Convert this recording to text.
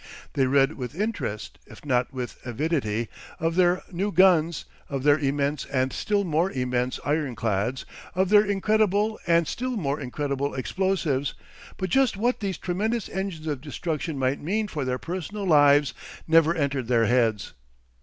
They read with interest, if not with avidity, of their new guns, of their immense and still more immense ironclads, of their incredible and still more incredible explosives, but just what these tremendous engines of destruction might mean for their personal lives never entered their heads.